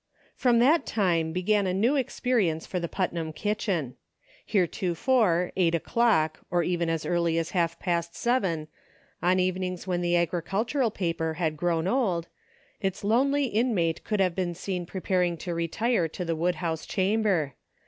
FROM that time began a new experience for the Putnam kitchen. Heretofore eight o'clock, or even as early as half past seven, on evenings when the agricultural paper had grown old, its lonely inmate could have been seen prepar ing to retire to the wood house chamber.